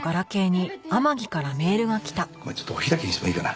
ちょっとお開きにしてもいいかな。